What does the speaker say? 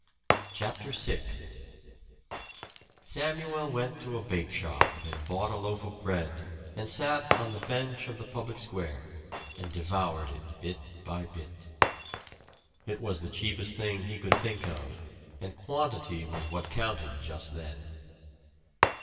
CHAPTER VI Samuel went to a bake shop and bought a loaf of bread and sat on the bench of the public square and devoured it bit by bit. It was the cheapest thing he could think of, and quantity was what counted just then.